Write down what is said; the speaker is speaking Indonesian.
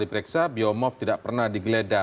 diperiksa biomof tidak pernah digeledah